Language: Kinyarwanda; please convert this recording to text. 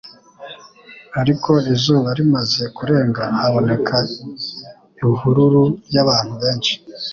ariko izuba rimaze kurenga haboneka ihururu ry'abantu benshi.